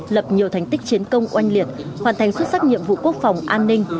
lập nhiều thành tích chiến công oanh liệt hoàn thành xuất sắc nhiệm vụ quốc phòng an ninh